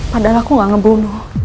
padahal aku gak ngebunuh